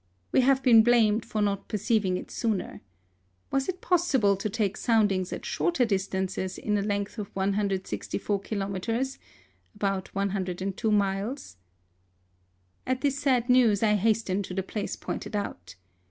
We have been blamed for not perceiving it sooner. Was it possible to take soundings at shorter distances in a length of 164 kilometres (about 102 miles) ? At this sad news I hasten to the place pointed out.